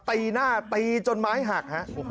ตีหน้าตีจนไม้หักฮะ